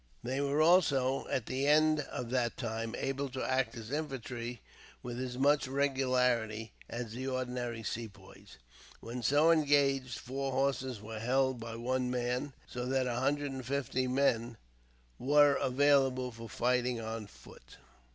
They were also, at the end of that time, able to act as infantry, with as much regularity as the ordinary Sepoys. When so engaged, four horses were held by one man, so that a hundred and fifty men were available for fighting on foot.